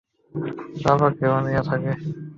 বাবাকে নিয়েও থাকে।